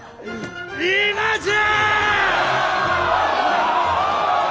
今じゃ！